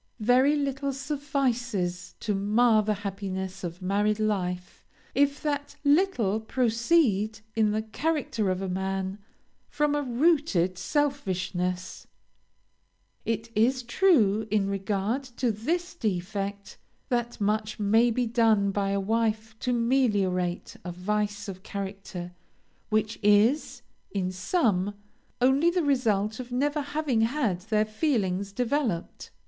Very little suffices to mar the happiness of married life, if that little proceed in the character of a man, from a rooted selfishness. "It is true, in regard to this defect, that much may be done by a wife to meliorate a vice of character which is, in some, only the result of never having had their feelings developed.